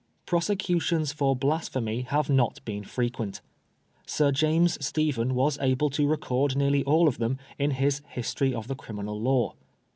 Prosecutions for Blasphemy have not been frequent. Sir James Stephen was able to record nearly all of them in his '' History of the Criminal Law."